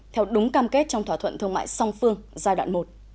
theo đúng cam kết trong thỏa thuận thương mại song phương giai đoạn một